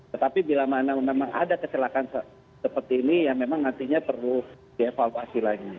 tetapi bila mana memang ada kecelakaan seperti ini ya memang nantinya perlu dievaluasi lagi